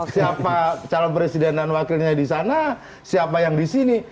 siapa calon presiden dan wakilnya di sana siapa yang di sini